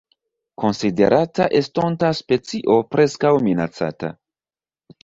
Konsiderata estonta specio Preskaŭ Minacata.